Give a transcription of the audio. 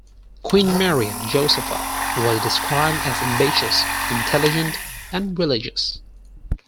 Queen Maria Josepha was described as ambitious, intelligent and religious.